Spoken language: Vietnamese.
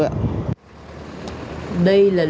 mà hôm nay